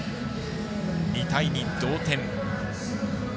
２対２同点。